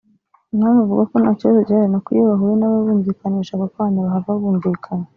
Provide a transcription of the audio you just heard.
Impamvu mvuga ko nta kibazo gihari ni uko iyo bahuye n’ababumvikanisha ako kanya bahava bumvikanye